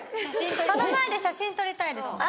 その前で写真撮りたいですもん。